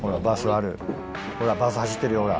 バス走ってるよほら。